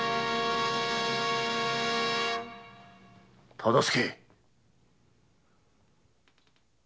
忠相！